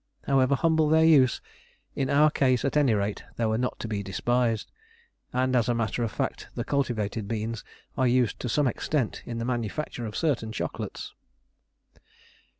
However humble their use, in our case at any rate they were not to be despised, and as a matter of fact the cultivated beans are used to some extent in the manufacture of certain chocolates.